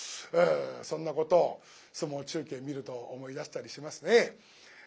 そんなことを相撲中継見ると思い出したりしますね。